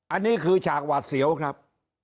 อันนี้คือฉากหวาดเสียวครับ